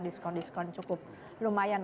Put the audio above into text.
diskon diskon cukup lumayan